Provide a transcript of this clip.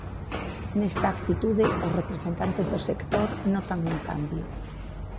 Nesta actitude, os representantes do sector notan un cambio.